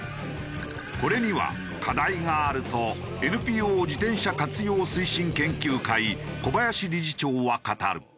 これには課題があるとＮＰＯ自転車活用推進研究会小林理事長は語る。